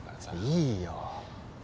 いいよ！